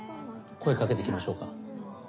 声掛けて来ましょうか？